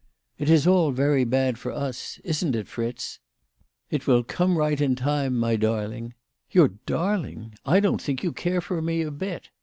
"It is all very bad for us; isn't it, Fritz ?"" It will come right in time, my darling." " Your darling ! I don't think you care for me a bit."